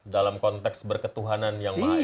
dalam konteks berketuhanan yang mahal sekarang